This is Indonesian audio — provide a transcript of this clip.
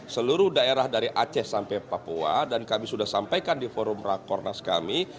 seluruh daerah dari aceh sampai papua dan kami sudah sampaikan di forum rakornas kami